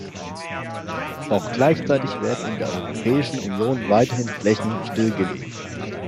Doch gleichzeitig werden in der Europäischen Union weiterhin Flächen stillgelegt.